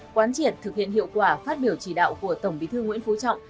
quán triệt thực hiện hiệu quả phát biểu chỉ đạo của tổng bí thư nguyễn phú trọng